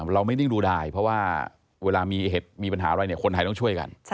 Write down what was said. เราไม่นิ่งดูดายเพราะว่าเวลามีปัญหาอะไรเนี่ยคนไทยต้องช่วยกัน